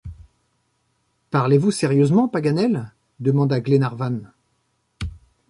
Parlez-vous sérieusement, Paganel? demanda Glenarvan.